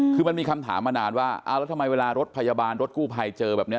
คือมันมีคำถามมานานว่าอ้าวแล้วทำไมเวลารถพยาบาลรถกู้ภัยเจอแบบนี้